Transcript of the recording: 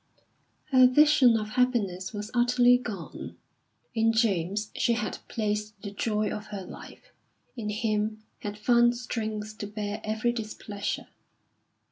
Her vision of happiness was utterly gone. In James she had placed the joy of her life; in him had found strength to bear every displeasure.